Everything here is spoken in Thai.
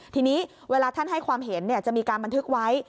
ทีนี้เวลาท่านให้ความเห็นจะมีการบันทึกไว้